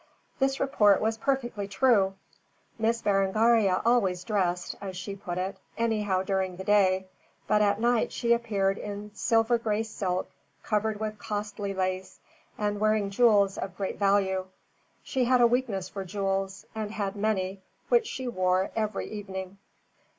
This report was perfectly true. Miss Berengaria always dressed as she put it anyhow during the day; but at night she appeared in silver gray silk covered with costly lace, and wearing jewels of great value. She had a weakness for jewels, and had many, which she wore every evening.